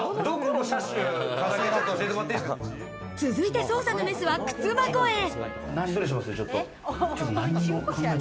続いて捜査のメスは靴箱へ。